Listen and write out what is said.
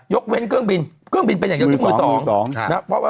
ยกเว้นเครื่องบิน